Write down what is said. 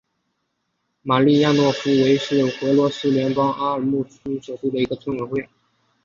马利诺夫卡村委员会是俄罗斯联邦阿穆尔州布列亚区所属的一个村委员会。